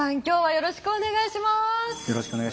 よろしくお願いします。